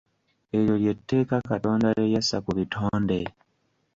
Eryo lye tteeka Katonda lye yassa ku bitonde.